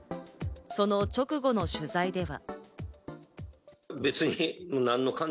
その直後の取材では。